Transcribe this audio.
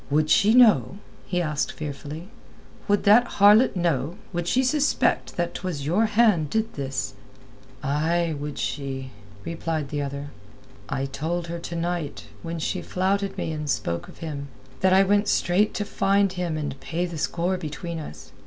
"Would she know?" he asked fearfully. "Would that harlot know, would she suspect that 'twas your hand did this?" "Aye—would she," replied the other. "I told her to night, when she flouted me and spoke of him, that I went straight to find him and pay the score between us.